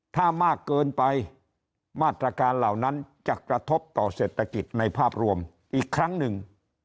ถ้ามากเกินไปมาตรการเหล่านั้นจะกระทบต่อเศรษฐกิจในภาพรวมอีกครั้งหนึ่ง